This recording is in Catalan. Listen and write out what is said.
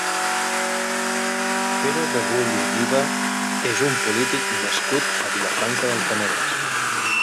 Pere Regull i Riba és un polític nascut a Vilafranca del Penedès.